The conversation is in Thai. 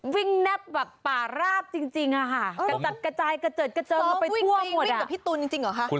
วิ่งแบบพี่ตูนวิ่งแบบพี่ตูน